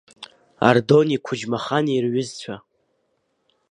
Ардони Қәыџьмахани рҩызцәа…